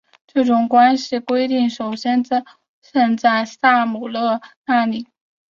这种关系规定首先出现在塞姆勒那里。